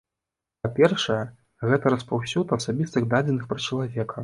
Па-першае, гэта распаўсюд асабістых дадзеных пра чалавека.